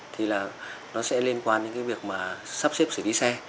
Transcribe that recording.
thì nó sẽ liên quan đến việc sắp xếp xử lý xe